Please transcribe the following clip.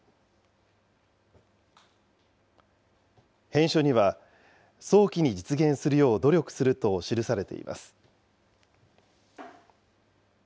返書には、早期に実現するよう努力すると記されています。